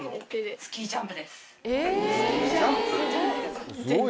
スキージャンプ！